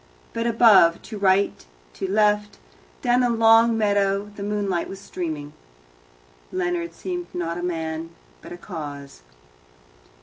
But above, to right, to left, down the long meadow the moonlight was streaming. Leonard seemed not a man, but a cause.